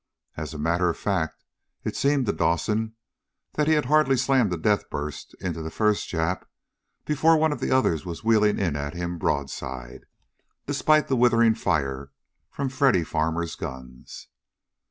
As a matter of fact, it seemed to Dawson that he had hardly slammed the death burst into that first Jap before one of the others was wheeling in at him broadside, despite the withering fire from Freddy Farmer's guns.